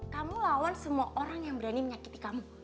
kamu lawan semua orang yang berani menyakiti kamu